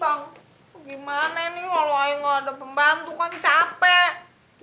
bang gimana nih kalo aja gak ada pembantu kan capek